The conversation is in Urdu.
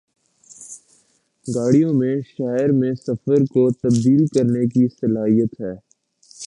گاڑیوں میں شہر میں سفر کو تبدیل کرنے کی صلاحیت ہے